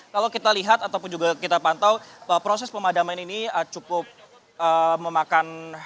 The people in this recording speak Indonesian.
kalau kita lihat ataupun juga kita pantau proses pemadaman ini cukup memakan